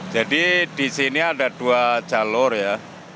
jadi di sini ada dua jalur ya